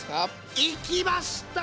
いきました！